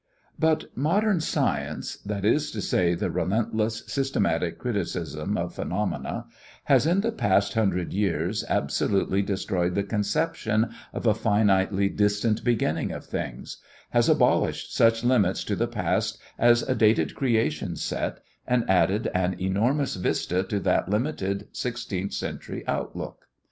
But modern science, that is to say the relentless systematic criticism of phenomena, has in the past hundred years absolutely destroyed the conception of a finitely distant beginning of things; has abolished such limits to the past as a dated creation set, and added an enormous vista to that limited sixteenth century outlook.